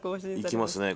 いきますね